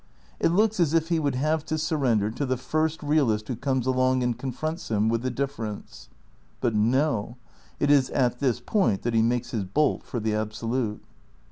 It looks as if he would have to surrender to the first realist who comes along and confronts him with the difference. But no. It is at this point that he makes his bolt for the Absolute.